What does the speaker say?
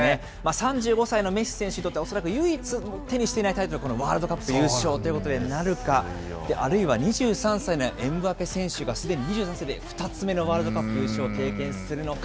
３５歳のメッシ選手にとって、恐らく唯一手にしていないタイトル、このワールドカップ優勝ということになるか、あるいは２３歳のエムバペ選手がすでに２３歳で２つ目のワールドカップ優勝を経験するのか。